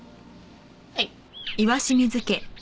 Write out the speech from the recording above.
はい。